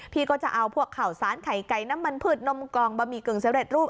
พี่ก็จะเอาข่าวซ้านไข่ไก่น้ำมันผืดนมกองบะหมี่กึ่งเสร็จรูป